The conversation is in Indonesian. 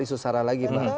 isu sara lagi